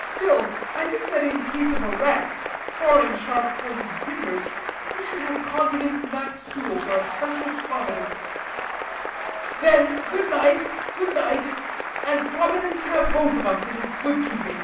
Still, I think that in case of a wreck, barring sharp pointed timbers, you could have confidence in that stool for a special providence." "Then, good night, good night; and Providence have both of us in its good keeping."